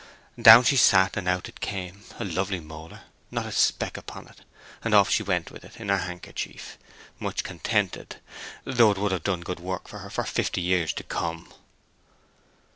Down she sat and out it came—a lovely molar, not a speck upon it; and off she went with it in her handkerchief, much contented, though it would have done good work for her for fifty years to come."